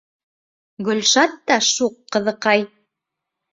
Гөлшат та шуҡ ҡыҙыҡай.